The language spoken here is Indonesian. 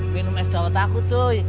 minum es dawa takut cuy